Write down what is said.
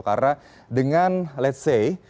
karena dengan let's say